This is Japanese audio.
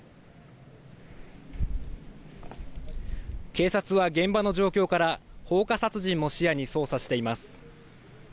警察は現場の状況から、放火殺人も視野に捜査しています。